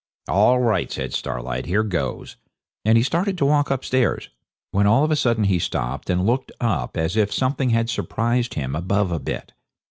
'All right!' says Starlight; 'here goes,' and he started to walk upstairs, when all of a sudden he stopped and looked up as if something had surprised him above a bit.